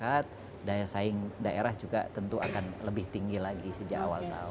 dan tentu kesejahteraan akan meningkat daya saing daerah juga tentu akan lebih tinggi lagi sejak awal tahun